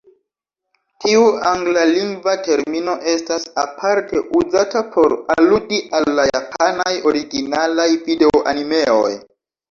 Tiu anglalingva termino estas aparte uzata por aludi al la japanaj originalaj video-animeoj.